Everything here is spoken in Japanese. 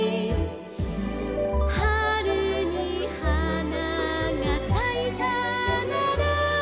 「はるにはながさいたなら」